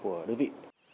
của đối vị